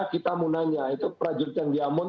kita mau nanya itu prajurit cangdiamon